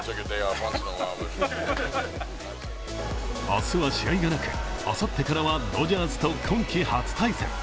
明日は試合がなく、あさってからはドジャースと今季初対戦。